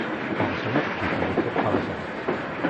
Qqersen akk di tmurt iqersen.